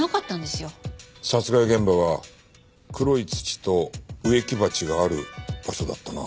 殺害現場は黒い土と植木鉢がある場所だったな。